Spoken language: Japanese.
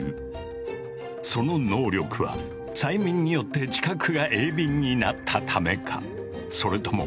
その能力は催眠によって知覚が鋭敏になったためか？